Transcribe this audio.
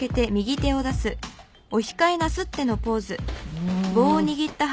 うん。